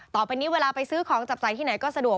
ต่อไปนี้เวลาไปซื้อของจับจ่ายที่ไหนก็สะดวก